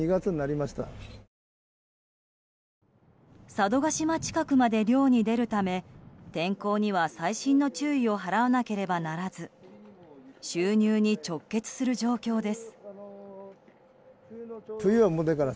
佐渡島近くまで漁に出るため天候には細心の注意を払わなければならず収入に直結する状況です。